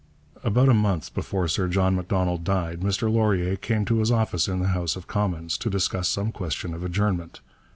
About a month before Sir John Macdonald died Mr Laurier came to his office in the House of Commons to discuss some question of adjournment.